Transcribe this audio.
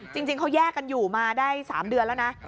จริงเขาแยกกันอยู่มาได้๓เดือนแล้วนะ